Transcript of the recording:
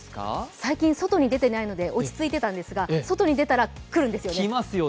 最近外に出ていないので落ち着いていたんですが、外に出たら来るんですよね。